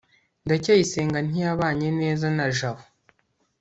ndacyayisenga ntiyabanye neza na jabo